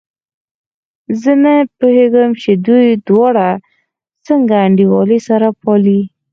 زه نه پوهېږم چې دوی دواړه څنګه انډيوالي سره پالي.